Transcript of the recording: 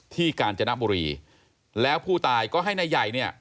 กาญจนบุรีแล้วผู้ตายก็ให้นายใหญ่เนี่ย